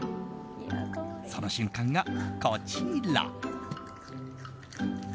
その瞬間が、こちら。